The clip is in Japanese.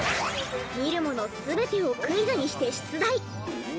見るもの全てをクイズにして出題。